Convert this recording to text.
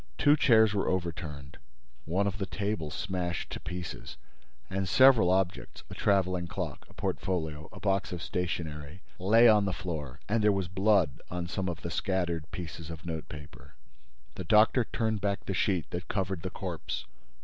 Two chairs were overturned, one of the tables smashed to pieces and several objects—a traveling clock, a portfolio, a box of stationery—lay on the floor. And there was blood on some of the scattered pieces of note paper. The doctor turned back the sheet that covered the corpse.